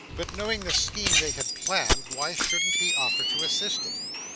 But knowing the scheme they had planned, why should he offer to assist it?